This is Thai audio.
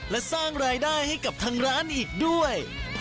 และสร้างรายได้ให้กับทางร้านอีกด้วย